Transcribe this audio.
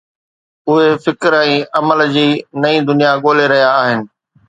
اهي فڪر ۽ عمل جي نئين دنيا ڳولي رهيا آهن.